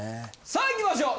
さあいきましょう。